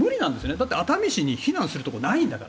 だって熱海市に避難するところないんだから。